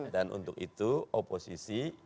dan untuk itu oposisi